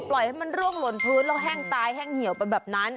ปล่อยให้มันร่วงหล่นพื้นแล้วแห้งตายแห้งเหี่ยวไปแบบนั้น